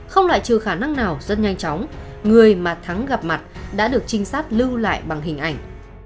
không loại trừ khả năng nào rất nhanh chóng người mà thắng gặp mặt đã được trinh sát lưu lại bằng hình ảnh